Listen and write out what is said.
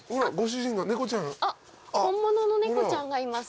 あっ本物の猫ちゃんがいます。